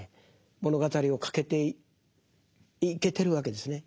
物語を書けていけてるわけですね。